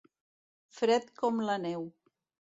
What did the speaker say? Fred com la neu.